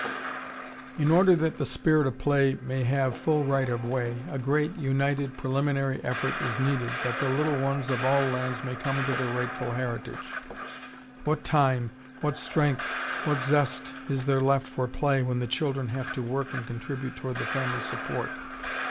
] In order that the "Spirit of Play" may have full right of way, a great, united, preliminary effort is needed, that the little ones of all lands may come into their rightful heritage. What time, what strength, what zest is there left for play when the children have to work and contribute toward the family support?